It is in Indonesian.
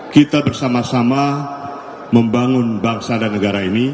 kita bersama sama membangun bangsa dan negara ini